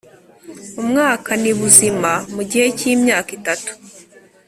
umwaka nibuzima mu gihe cy imyaka itatu